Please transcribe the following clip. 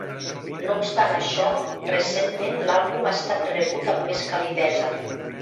No obstant això, recentment l'àlbum ha estat rebut amb més calidesa.